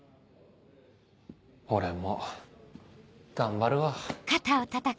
俺も頑張るわ。